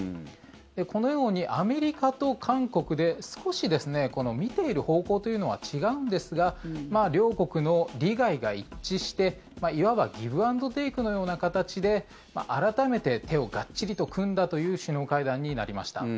このようにアメリカと韓国で少し見ている方向というのは違うんですが両国の利害が一致していわばギブ・アンド・テイクのような形で改めて手をがっちりと組んだという首脳会談になりました。